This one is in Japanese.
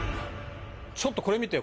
ちょっとこれ見てよ